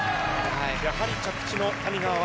やはり着地の谷川航